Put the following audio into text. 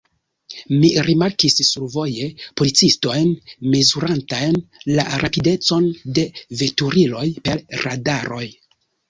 Mi rimarkis survoje policistojn mezurantajn la rapidecon de veturiloj per radaroj.